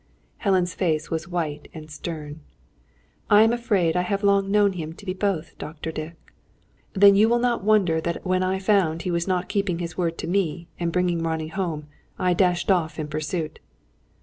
Helen's face was white and stern. "I am afraid I have long known him to be both, Dr. Dick." "Then you will not wonder that when I found he was not keeping his word to me, and bringing Ronnie home, I dashed off in pursuit."